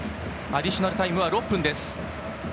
アディショナルタイムは６分です。